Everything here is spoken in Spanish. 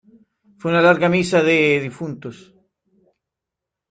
fué una larga misa de difuntos.